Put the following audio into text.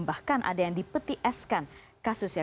bahkan ada yang dipetieskan kasus ya